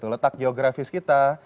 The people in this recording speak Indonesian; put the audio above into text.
letak geografis kita